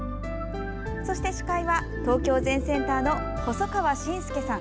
そして、司会は東京禅センターの細川晋輔さん。